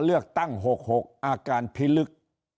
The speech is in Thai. เลยออกมายากตั้ง๖๖อาการพิลึก